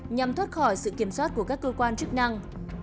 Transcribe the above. nhằm thoát khỏi sự kiểm soát của các cơ quan chức năng